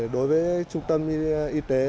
đối với trung tâm y tế